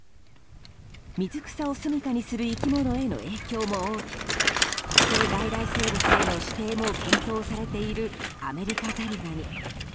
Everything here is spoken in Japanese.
水草をすみかにする生き物への影響も大きく特定外来生物への指定も検討されているアメリカザリガニ。